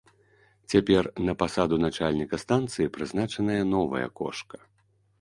Цяпер на пасаду начальніка станцыі прызначаная новая кошка.